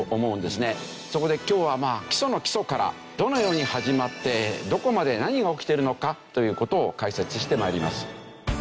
そこで今日は基礎の基礎からどのように始まってどこまで何が起きてるのかという事を解説して参ります。